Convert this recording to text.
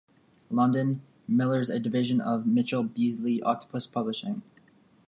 London: Miller's, a division of Mitchell Beazley, Octopus Publishing.